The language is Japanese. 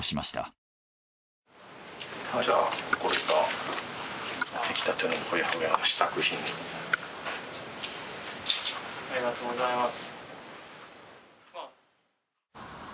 ありがとうございます。